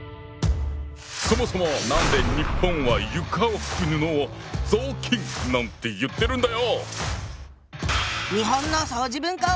そもそも何で日本は床を拭く布を「雑巾」なんて言ってるんだよ！